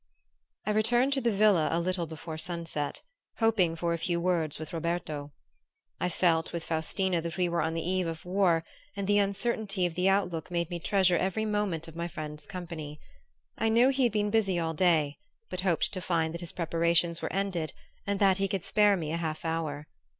I returned to the villa a little before sunset, hoping for a few words with Roberto. I felt with Faustina that we were on the eve of war, and the uncertainty of the outlook made me treasure every moment of my friend's company. I knew he had been busy all day, but hoped to find that his preparations were ended and that he could spare me a half hour.